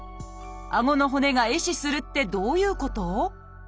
顎の骨が壊死するってどういうこと？